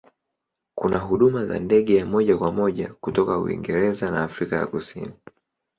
Kuna huduma za ndege ya moja kwa moja kutoka Uingereza na Afrika ya Kusini.